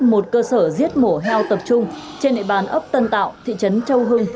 một cơ sở giết mổ heo tập trung trên địa bàn ấp tân tạo thị trấn châu hưng